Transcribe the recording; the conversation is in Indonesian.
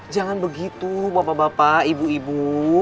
jangan begitu bapak bapak ibu ibu